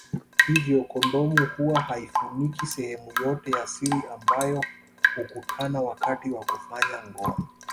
Hivyo kondomu huwa haifuniki sehemu yote ya siri ambayo hukutana wakati wa kufanya ngono